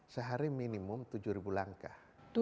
sehari minimum tujuh langkah